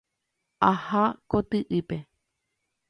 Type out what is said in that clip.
Aha koty'ípe.